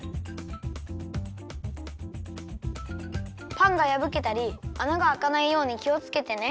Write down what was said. パンがやぶけたりあながあかないようにきをつけてね。